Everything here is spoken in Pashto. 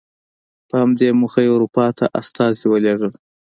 په همدې موخه یې اروپا ته استازي ولېږل.